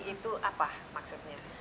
itu apa maksudnya